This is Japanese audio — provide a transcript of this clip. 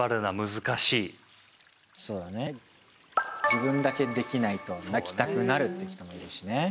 「自分だけできないと泣きたくなる」っていう人もいるしね。